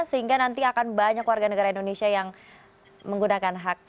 sehingga nanti akan banyak warga negara indonesia yang menggunakan hak pilih